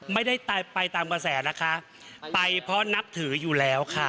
ไม่ได้ไปตามกระแสนะคะไปเพราะนับถืออยู่แล้วค่ะ